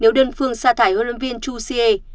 nếu đơn phương xa thải huấn luyện viên chú siê